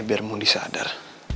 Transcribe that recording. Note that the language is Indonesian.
biar mau disadar